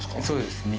そうです。